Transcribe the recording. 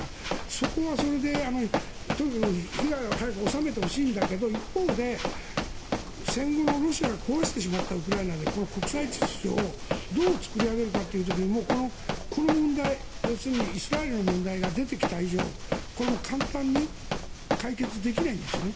そこはそれでとにかく被害を収めてほしいんだけど一方で戦後のロシアが壊してしまったウクライナでこの国際秩序をどう作り上げるかという時にこの問題、要するにイスラエルの問題が出てきた以上これも簡単に解決できないんですよね。